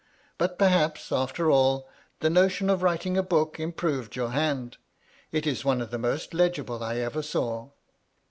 But perhaps, after all, the notion of writing a book improved your hand. It is one of the most le^ble I ever saw."